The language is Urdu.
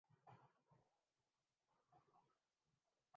کچھ وصولی تو ڈھنگ کی کرا لیا کریں۔